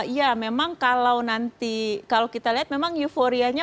ya memang kalau nanti kalau kita lihat memang euforianya